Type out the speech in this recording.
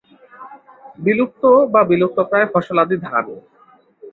বিলুপ্ত বা বিলুপ্তপ্রায় ফসলাদি ধান।